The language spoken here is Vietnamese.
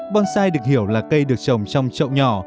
bonsai được hiểu là cây được trồng trong trậu nhỏ